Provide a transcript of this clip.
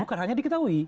bukan hanya diketahui